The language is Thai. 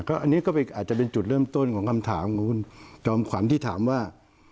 อันนี้ก็อาจจะเป็นจุดเริ่มต้นของคำถามของคุณจอมขวัญที่ถามว่า